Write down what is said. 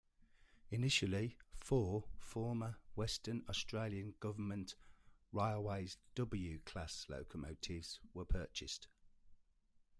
Initially four former Western Australian Government Railways W class locomotives were purchased.